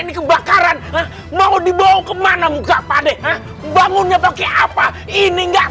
ini kebakaran mau dibawa kemana muka pade bangunnya pakai apa ini enggak